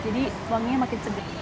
jadi wanginya makin sedih